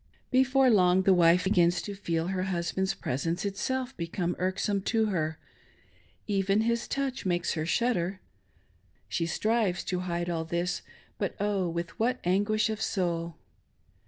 Before long the wife begins to feel her husband's presence itself become irksome to her — even his touch makes her shud der. She strives to hide all this ; but, oh, with what anguish of soul!